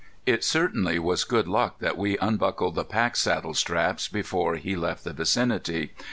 It certainly was good luck that we unbuckled the packsaddle straps before he left the vicinity.